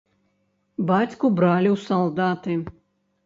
Бацьку бралі ў салдаты.